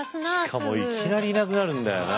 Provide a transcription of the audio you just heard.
しかもいきなりいなくなるんだよな。